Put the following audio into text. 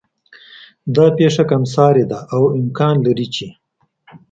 دا پېښه کم سارې ده او امکان لري چې